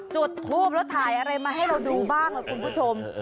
จุดทูปแล้วถ่ายอะไรมาให้เราดูบ้างล่ะคุณผู้ชม